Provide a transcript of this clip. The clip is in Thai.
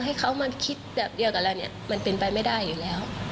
ให้เขามาคิดแบบเดียวกับเราเนี่ยมันเป็นไปไม่ได้อยู่แล้ว